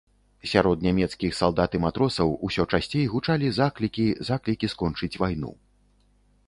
Сярод нямецкіх салдат і матросаў, усё часцей гучалі заклікі заклікі скончыць вайну.